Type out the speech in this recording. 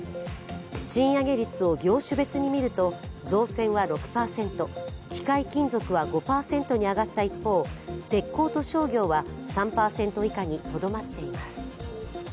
賃上げ率を業種別にみると造船は６％、機械金属は５％に上がった一方、鉄鋼と商業は３％以下にとどまっています。